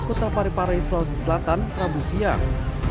kota paripare sulawesi selatan prabu siang